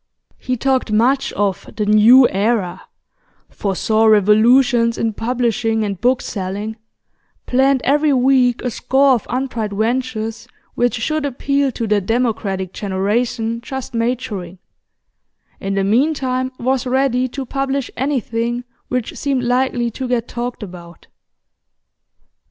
He talked much of 'the new era,' foresaw revolutions in publishing and book selling, planned every week a score of untried ventures which should appeal to the democratic generation just maturing; in the meantime, was ready to publish anything which seemed likely to get talked about.